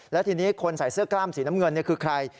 และทีนี้คนใส่เสื้อกล้ามสีน้ำเงินคือใคร